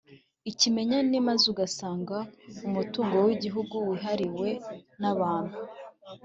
ikimenyane, maze ugasanga umutungo w’igihugu wihariwe n’abantu